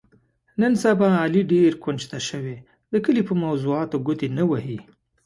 نن سبا علي ډېر کونج ته شوی، د کلي په موضاتو ګوتې نه وهي.